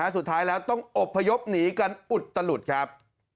สุดท้ายแล้วต้องอบพยพหนีกันอุตลุดครับ